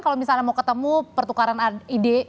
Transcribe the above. kalau misalnya mau ketemu pertukaran ide